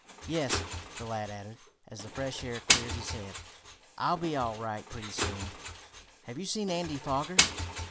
"Yes," the lad added, as the fresh air cleared his head. "I'll be all right pretty soon. Have you seen Andy Foger?"